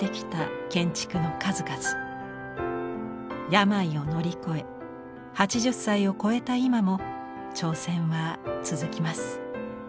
病を乗り越え８０歳を超えた今も挑戦は続きます。